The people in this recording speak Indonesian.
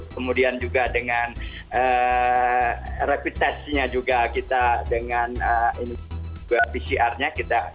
kemudian juga dengan rapid test nya juga kita dengan pcr nya kita